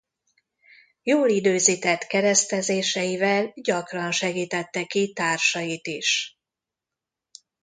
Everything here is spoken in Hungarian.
Jól időzített keresztezéseivel gyakran segítette ki társait is.